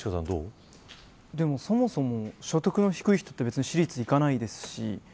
そもそも所得の低い人は私立に行かないですし。